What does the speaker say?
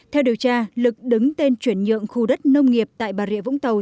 theo điều tra lực đứng tên chuyển nhượng khu đất nông nghiệp tại bà rịa vũng tàu